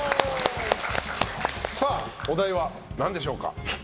お題は何でしょうか。